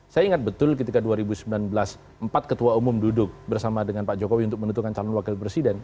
saya ingat betul ketika dua ribu sembilan belas empat ketua umum duduk bersama dengan pak jokowi untuk menentukan calon wakil presiden